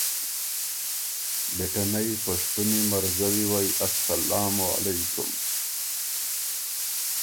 بېټنئ پشتُونی مرزوّی وئ اسلام علیکم!